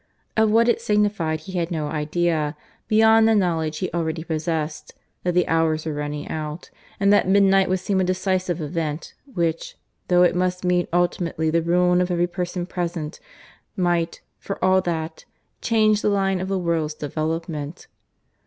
Of what it signified he had no idea, beyond the knowledge he already possessed that the hours were running out, and that midnight would see a decisive event which, though it must mean ultimately the ruin of every person present, might, for all that, change the line of the world's development.